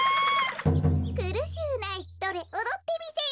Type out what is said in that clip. くるしゅうないおどってみせよ。